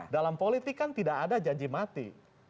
dalam politik kan tidak ada janji mati